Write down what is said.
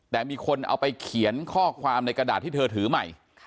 แต่มีคนเอาไปเขียนข้อความในกระดาษที่เธอถือใหม่